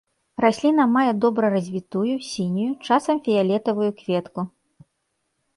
Расліна мае добра развітую сінюю, часам фіялетавую, кветку.